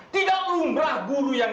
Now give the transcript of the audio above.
tidak lumrah guru yang